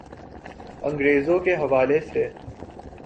انگریزوں کے حوالے سے۔